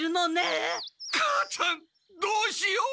母ちゃんどうしよう！